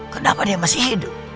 kenapa dia masih hidup